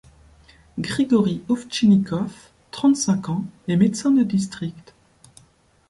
Grigori Ovtchinnikov, trente-cinq ans, est médecin de district.